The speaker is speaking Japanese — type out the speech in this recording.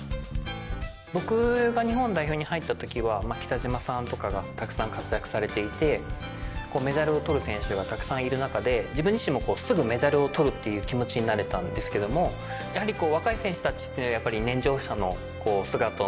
僕が日本代表に入った時は北島さんとかがたくさん活躍されていてメダルを獲る選手がたくさんいる中で自分自身もすぐメダルを獲るっていう気持ちになれたんですけども。と思ってます。